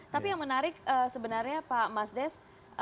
tapi yang menarik sebenarnya pak mas des